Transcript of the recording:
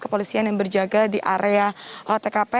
kepolisian yang berjaga di area tkp